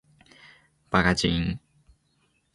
ばちかん